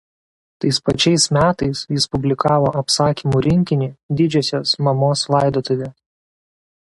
Tais pačiais metais jis publikavo apsakymų rinkinį „Didžiosios Mamos laidotuvės“.